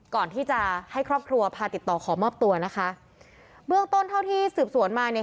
ก่อนที่จะให้ครอบครัวพาติดต่อขอมอบตัวนะคะเบื้องต้นเท่าที่สืบสวนมาเนี่ย